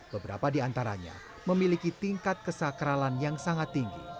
beberapa di antaranya memiliki tingkat kesakralan yang sangat tinggi